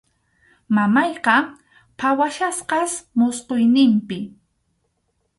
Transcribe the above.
Mamayqa phawachkasqas musquyninpi.